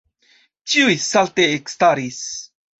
Ĉiuj salte ekstaris.